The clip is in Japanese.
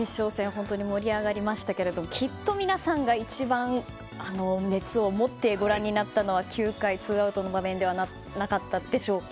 本当に盛り上がりましたけどきっと皆さんが一番熱を持ってご覧になったのは９回ツーアウトの場面ではなかったでしょうか。